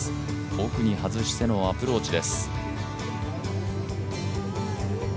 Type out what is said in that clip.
奥に外してのアプローチです。